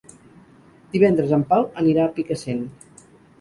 Divendres en Pau anirà a Picassent.